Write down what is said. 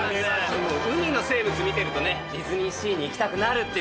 海の生物見てるとねディズニーシーに行きたくなるってことで。